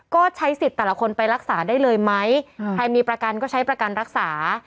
ก็ใช้สิทธิ์แต่ละคนไปรักษาได้เลยไหมใครมีประกันก็ใช้ประกันรักษา